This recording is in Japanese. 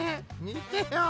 みてよ。